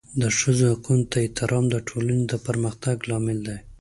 د ښځو حقونو ته احترام د ټولنې د پرمختګ لامل دی.